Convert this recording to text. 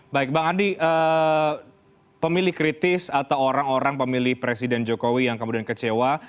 baik bang adi pemilih kritis atau orang orang pemilih presiden jokowi yang kemudian kecewa